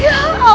ya allah le